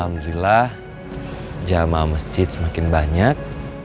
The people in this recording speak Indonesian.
alhamdulillah jamaah masjid semakin banyak